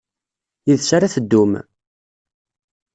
Yid-s ara ad teddum?